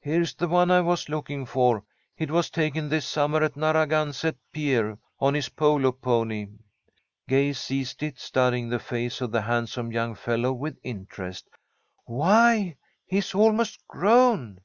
"Here's the one I was looking for. It was taken this summer at Narragansett Pier on his polo pony." Gay seized it, studying the face of the handsome young fellow with interest. "Why, he's almost grown!"